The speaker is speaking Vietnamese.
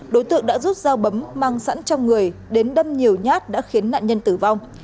đối tượng đã rút dao bấm mang sẵn trong người đến đâm nhiều nhát đã khiến nạn nhân tử vong